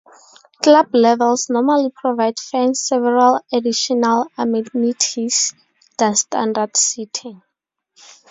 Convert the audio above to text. Club levels normally provide fans several additional amenities than standard seating.